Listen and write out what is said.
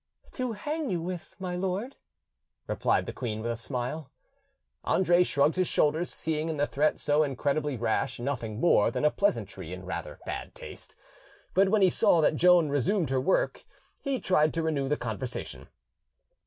"To hang you with, my lord," replied the queen, with a smile. Andre shrugged his shoulders, seeing in the threat so incredibly rash nothing more than a pleasantry in rather bad taste. But when he saw that Joan resumed her work, he tried to renew the conversation.